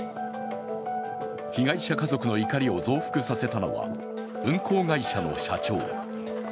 被害者家族の怒りを増幅させたのは運航会社の社長。